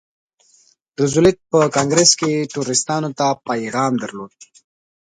روزولټ په کانګریس کې ټرستانو ته پیغام درلود.